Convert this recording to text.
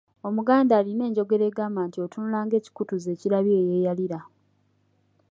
Omuganda alina enjogera egamba nti otunula ng'ekikutuzi ekirabye eyeeyalira.